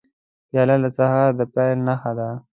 پیاله د سهار د پیل نښه ده.